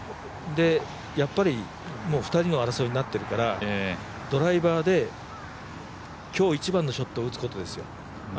やっぱり２人の争いになってるからドライバーで今日一番のショットを打つことですよ。